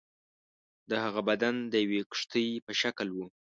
د هغه بدن د یوې کښتۍ په شکل وو.